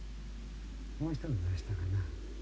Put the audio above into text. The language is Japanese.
もう一つどうしたかな？